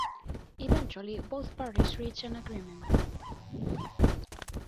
Eventually, both parties reached an agreement.